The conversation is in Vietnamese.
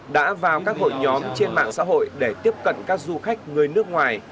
đã vào các hội nhóm trên mạng xã hội để tiếp cận các du khách người nước ngoài